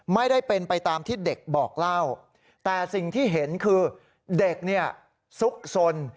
ไม่ได้เป็นไปตามที่เด็กบอกเล่าแต่สิ่งที่เห็นคือเด็กเนี่ยซุกสน